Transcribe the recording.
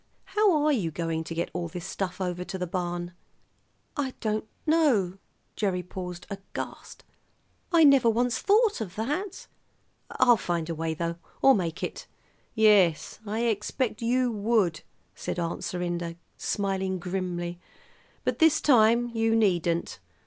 How are you going to get all this stuff over to the barn?" "I don't know." Gerry paused aghast. "I never once thought of that. I'll find a way, though, or make it." "Yes, I expect you would," said Aunt Serinda, smiling grimly; "but this time you needn't.